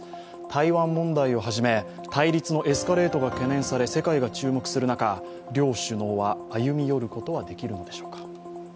台湾問題をはじめ対立のエスカレートが懸念され世界が注目する中、両首脳は歩み寄ることはできるのでしょうか。